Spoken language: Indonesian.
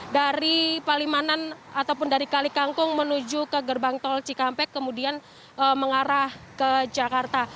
dari palimanan ataupun dari kali kangkung menuju ke gerbang tol cikampek kemudian mengarah ke jakarta